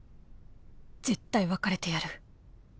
絶対別れてやる